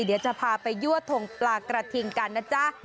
เดี๋ยวจะพาไปยั่วทงปลากระทิงกันนะจ๊ะ